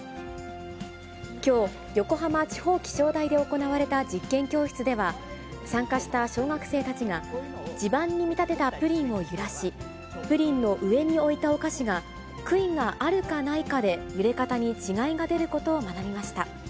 きょう、横浜地方気象台で行われた実験教室では、参加した小学生たちが、地盤に見立てたプリンを揺らし、プリンの上に置いたお菓子が杭があるかないかで揺れ方に違いが出ることを学びました。